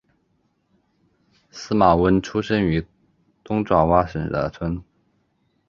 司马温出生于东爪哇省的村。